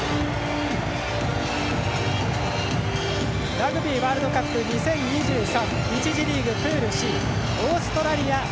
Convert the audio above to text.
ラグビーワールドカップ２０２３１次リーグ、プールＣオーストラリア対